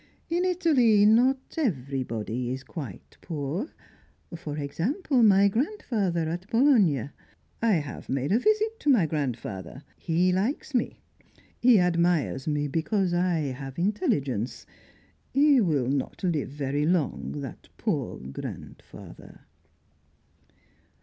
In Italy, not everybody is quite poor. For example, my grandfather, at Bologna. I have made a visit to my grandfather. He likes me; he admires me because I have intelligence. He will not live very long, that poor grandfather."